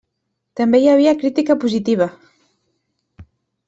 També hi havia crítica positiva.